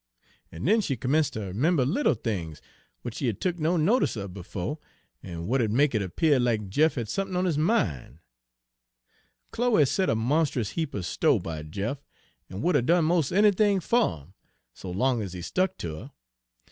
En den she 'mence' ter 'member little things w'at she hadn' tuk no notice of befo', en w'at 'u'd make it 'pear lack Jeff had sump'n on his min'. "Chloe set a monst'us heap er sto' by Jeff, en would 'a' done mos' anythin' fer'im, so long ez he stuck ter her.